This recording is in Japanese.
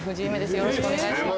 よろしくお願いします。